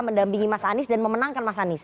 mendampingi mas anies dan memenangkan mas anies